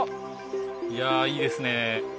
いやいいですね。